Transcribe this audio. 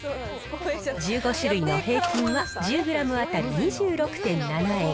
１５種類の平均は１０グラム当たり２６．７円。